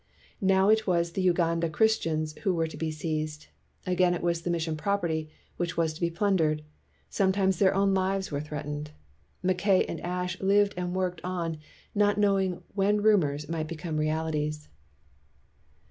Now it was the Uganda Christians who were to be seized; again it was the mission property which was to be plundered; sometimes their own lives were threatened. Mackay and Ashe lived and worked on not knowing when ru mors might become realities.